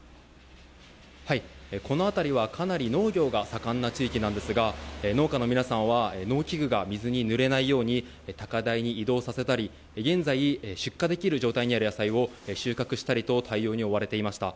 この辺りはかなり農業が盛んな地域なんですが農家の皆さんは農機具が水にぬれないように高台に移動させたり現在、出荷できる状態にある野菜を収穫したりと対応に追われていました。